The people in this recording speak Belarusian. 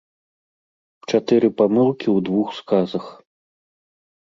Чатыры памылкі ў двух сказах.